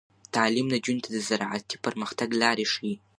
تعلیم نجونو ته د زراعتي پرمختګ لارې ښيي.